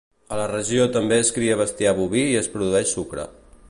A la regió també es cria bestiar boví i es produeix sucre.